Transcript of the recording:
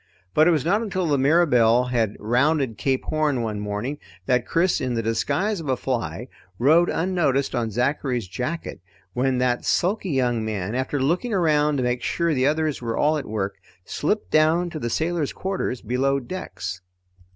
But it was not until the Mirabelle had rounded Cape Horn one morning that Chris, in the disguise of a fly, rode unnoticed on Zachary's jacket when that sulky young man, after looking around to make sure the others were all at work, slipped down to the sailor's quarters below decks.